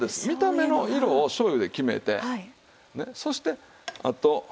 見た目の色を醤油で決めてそしてあと。